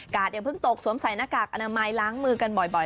อย่าเพิ่งตกสวมใส่หน้ากากอนามัยล้างมือกันบ่อย